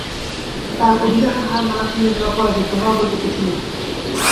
তাঁর অভিধানে হার মানা, থেমে যাওয়া, পরাজিত হওয়া বলতে কিছু নেই।